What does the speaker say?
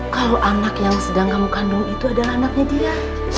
kalau anak yang sedang kamu kandung itu adalah anaknya dia